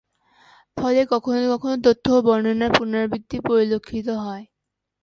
ফলে কখনো কখনো তথ্য ও বর্ণনার পুনরাবৃত্তি পরিলক্ষিত হয়।